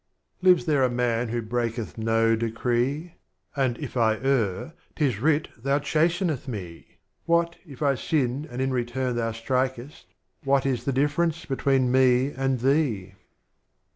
vin. Lives there a Man who breaketh no Decree? — And if I err 'tis writ Thou chasteneth Me, — What, if I sin and in return Thou strikest, — What is the difference between Me and Thee?